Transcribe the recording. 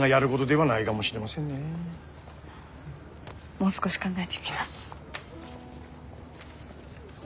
もう少し考えてみます。